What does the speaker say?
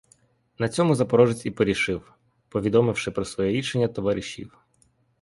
На цьому запорожець і порішив, повідомивши про своє рішення товаришів.